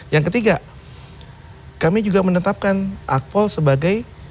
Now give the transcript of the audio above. yang ketiga kami juga menetapkan akpol sebagai